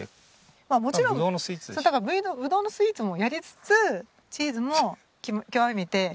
まあもちろんぶどうのスイーツもやりつつチーズも極めて。